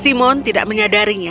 simon tidak menyadarinya